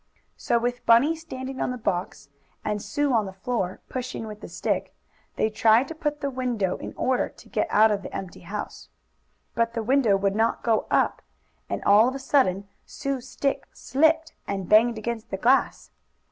So with Bunny standing on the box, and Sue, on the floor, pushing with the stick, they tried to put up the window in order to get out of the empty house. But the window would not go up, and all of a sudden Sue's stick slipped and banged against the glass.